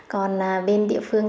còn bên địa phương